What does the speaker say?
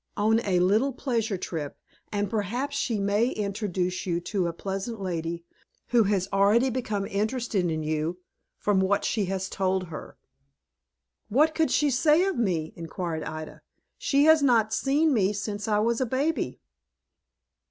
"On a little pleasure trip, and perhaps she may introduce you to a pleasant lady, who has already become interested in you, from what she has told her." "What could she say of me?" inquired Ida, "she has not seen me since I was a baby."